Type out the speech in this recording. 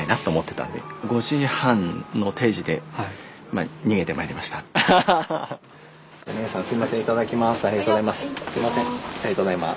ありがとうございます。